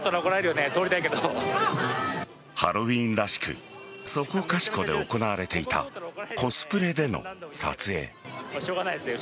ハロウィーンらしくそこかしこで行われていたコスプレでの撮影。